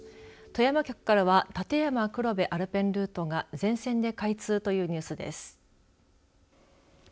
富山局からは立山黒部アルペンルートが全線で開通というニュースです。